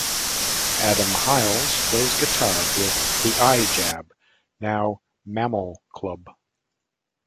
Adam Hiles plays guitar with The Eye Jab, now Mammal Club.